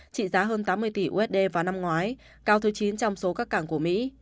trị giá hơn tám mươi tỷ usd vào năm ngoái cao thứ chín trong số các cảng của mỹ